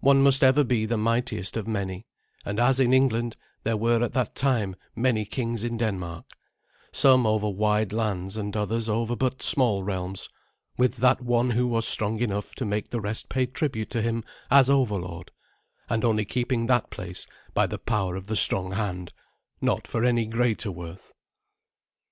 One must ever be the mightiest of many; and, as in England, there were at that time many kings in Denmark, some over wide lands and others over but small realms, with that one who was strong enough to make the rest pay tribute to him as overlord, and only keeping that place by the power of the strong hand, not for any greater worth.